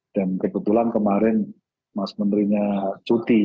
dan kebetulan kemarin mas menterinya cuti